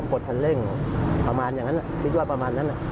ดคันเร่งประมาณอย่างนั้นคิดว่าประมาณนั้น